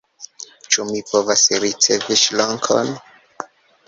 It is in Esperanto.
Ĉu mi povas ricevi ŝrankon?